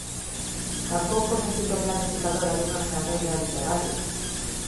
Tampouco me sinto planificadora dunha carreira literaria.